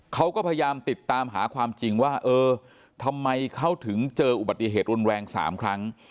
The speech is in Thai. เขาก็พยายามติดตามหาความจริงว่าเออทำไมเขาถึงเจออุบัติเหตุรุนแรง๓ครั้ง